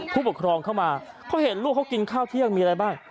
ผู้ปกครองเข้ามาเขาเห็นลูกเขากินข้าวเที่ยงมีอะไรบ้าง